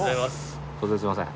突然すいません。